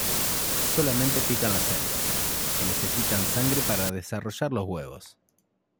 Solamente pican las hembras, que necesitan sangre para desarrollar los huevos.